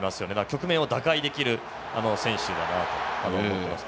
局面を打開できる選手だと思います。